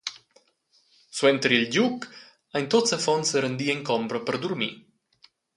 Suenter il giug ein tuts affons serendi en combra per durmir.